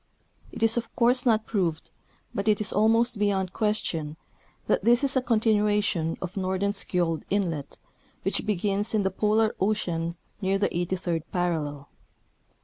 It is of course not proved, but it is ahnost beyond ciuestion, that this is a continuation of Nor denskiold inlet, wdiich begins in the Polar ocean near the 83d parallel.